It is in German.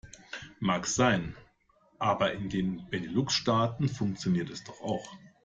Mag sein, aber in den Benelux-Staaten funktioniert es doch auch.